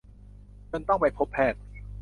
จนต้องไปพบแพทย์